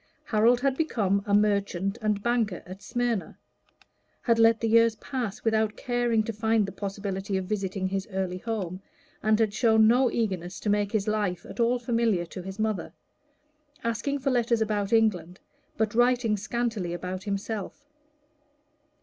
Harold had become a merchant and banker at Smyrna; and let the years pass without caring to find the possibility of visiting his early home, and had shown no eagerness to make his life at all familiar to his mother, asking for letters about England, but writing scantily about himself.